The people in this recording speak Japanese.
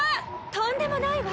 とんでもないわ！